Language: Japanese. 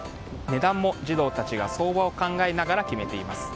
値段も児童たちが相場を考えながら決めています。